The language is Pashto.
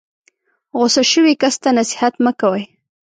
غسه شوي کس ته نصیحت مه کوئ.